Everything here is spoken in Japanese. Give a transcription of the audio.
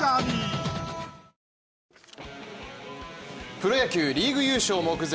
プロ野球リーグ優勝目前